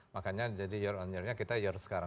makanya jadi year on year nya kita year sekarang